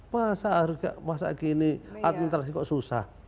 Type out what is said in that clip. masa gini administrasi kok susah